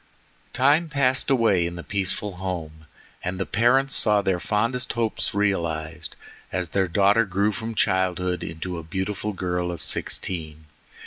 Time passed away in the peaceful home, and the parents saw their fondest hopes realized as their daughter grew from childhood into a beautiful girl of sixteen.